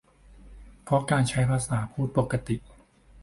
เพราะการใช้ภาษาพูดปกติ